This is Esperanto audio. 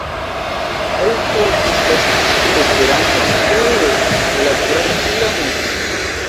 Helpu disvastigi Esperanton pere de la brazila muziko!